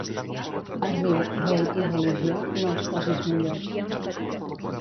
A riu, rei i religió, no els posis molló.